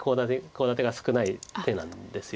コウ立てが少ない手なんです。